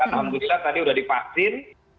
alhamdulillah tadi udah dipaksin